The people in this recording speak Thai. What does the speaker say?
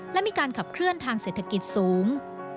และมีการขับเคลื่อนทางเศรษฐกิจสูง